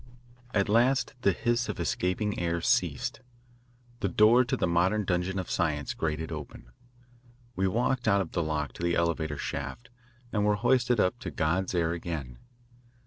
At last the hiss of escaping air ceased. The door to the modern dungeon of science grated open. We walked out of the lock to the elevator shaft and were hoisted up to God's air again.